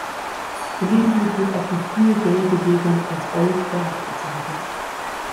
Gelegentlich wird auch die frühe Gay-Bewegung als Old Guard bezeichnet.